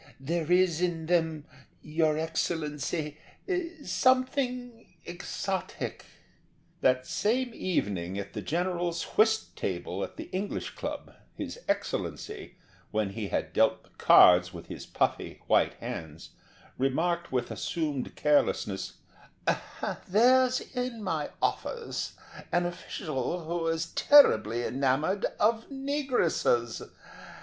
"There is in them, your Excellency, something exotic." That same evening at the general's whist table at the English Club, his Excellency, when he had dealt the cards with his puffy white hands, remarked with assumed carelessness: "There's in my office an official who is terribly enamoured of negresses.